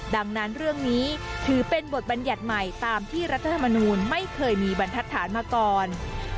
ดังนั้นเรื่องนี้ถือเป็นบทบัญญัติใหม่ตามที่รัฐธรรมนูลไม่เคยมีบรรทัศนมาก่อน